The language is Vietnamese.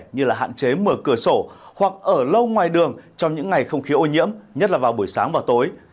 như là hạn chế mở cửa sổ hoặc ở lâu ngoài đường trong những ngày không khí ô nhiễm nhất là vào buổi sáng và tối